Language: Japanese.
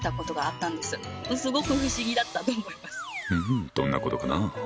うんどんなことかな？